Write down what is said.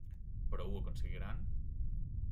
Però ho aconseguiran?